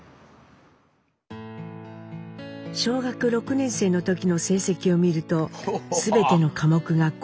小学６年生の時の成績を見るとすべての科目が「甲」。